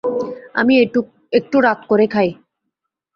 আমি একটু রাত করে খাই।